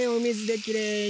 「きれいに」